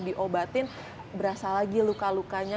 diobatin berasa lagi luka lukanya